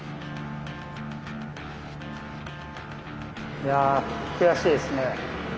いや悔しいですね。